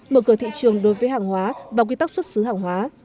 mở cửa thị trường đối với hàng hóa và quy tắc xuất xứ hàng hóa